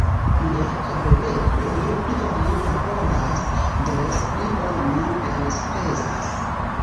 Ne. Kompreneble, ju pli oni laboras, des pli oni enspezas